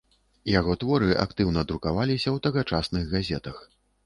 Яго творы актыўна друкаваліся ў тагачасных газетах.